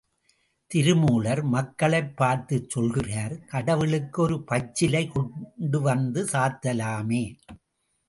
திருமூலர் மக்களைப் பார்த்துச் சொல்கிறார் கடவுளுக்கு ஒரு பச்சிலை கொண்டுவந்து சாத்தலாமே.